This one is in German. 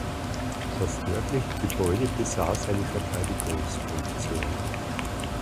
Das nördliche Gebäude besaß eine Verteidigungsfunktion.